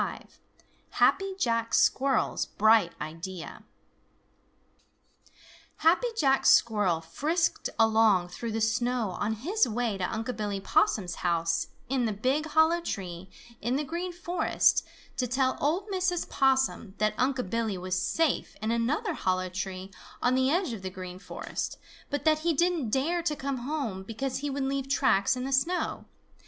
XXV HAPPY JACK SQUIRREL'S BRIGHT IDEA Happy Jack Squirrel frisked along through the snow on his way to Unc' Billy Possum's house in the big hollow tree in the Green Forest to tell old Mrs. Possum that Unc' Billy was safe in another hollow tree on the edge of the Green Forest, but that he didn't dare to come home because he would leave tracks in the snow.